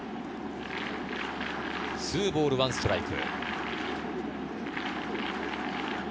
２ボール１ストライク。